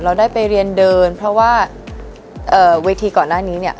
เราได้ไปเรียนเดินเพราะว่าเวทีก่อนหน้านี้เนี่ย